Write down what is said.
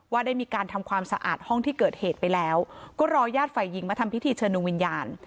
ได้มีการทำความสะอาดห้องที่เกิดเหตุไปแล้วก็รอญาติฝ่ายหญิงมาทำพิธีเชิญดวงวิญญาณ